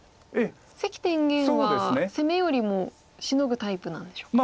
関天元は攻めよりもシノぐタイプなんでしょうか。